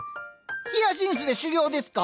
ヒアシンスで修業ですか。